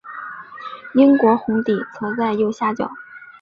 英国红底则在右下角。